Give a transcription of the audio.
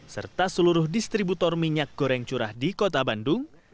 serta seluruh distributor minyak goreng curah di kota bandung